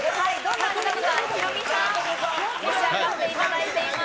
ヒロミさん、召し上がっていただいています。